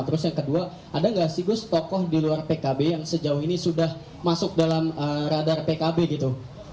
terus yang kedua ada nggak sih gus tokoh di luar pkb yang sejauh ini sudah masuk dalam radar pkb gitu